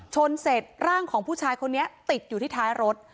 ชนเสร็จร่างของผู้ชายคนนี้ติดอยู่ที่ท้ายรถ